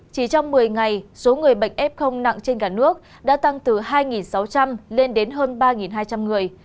chỉ trong một mươi ngày số người bệnh f nặng trên cả nước đã tăng từ hai sáu trăm linh lên đến hơn ba hai trăm linh người